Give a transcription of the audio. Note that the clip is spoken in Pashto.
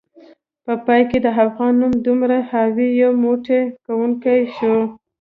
په پای کې د افغان نوم دومره حاوي، یو موټی کونکی شو